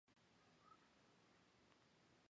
富宁油果樟为樟科油果樟属下的一个种。